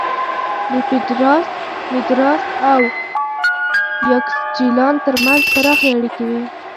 د پېډراس نېګراس او یاکسچیلان ترمنځ پراخې اړیکې وې